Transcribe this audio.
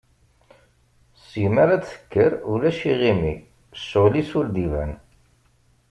Segmi ara d-tekker, ulac iɣimi, ccɣel-is ur d-iban.